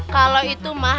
kalau itu ma